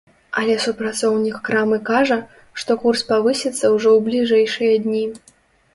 Але супрацоўнік крамы кажа, што курс павысіцца ўжо ў бліжэйшыя дні.